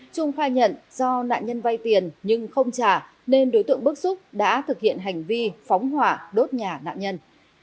trung khai nhận do nạn nhân vay tiền nhưng không trả nên đối tượng bức xúc đã thực hiện hành vi phóng hỏa đốt nhà nạn nhân